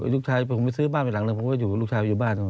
ลูกชายผมไปซื้อบ้านไปหลังเลยผมก็อยู่กับลูกชายอยู่บ้าน